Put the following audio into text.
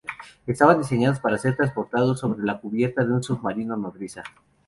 Estaban diseñados para ser transportados sobre la cubierta de un submarino nodriza.